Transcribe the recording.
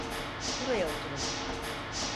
Buraya oturun.